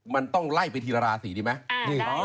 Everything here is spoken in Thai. มันต้องไล่ไปทีละราศีดีไหม